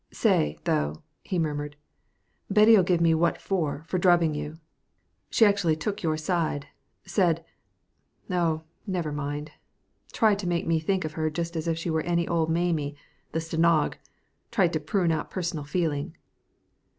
"Say, though," he murmured, "Betty'll give me 'what for' for drubbing you. She actually took your side said oh, never mind tried to make me think of her just as if she was any old Mamie the stenog tried to prune out personal feeling."